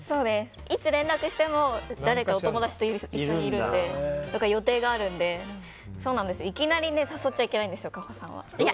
いつ連絡しても誰かお友達と一緒にいたりそれか予定があるのでいきなり誘っちゃいけないんです。